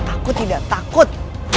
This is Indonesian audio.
aku tidak takut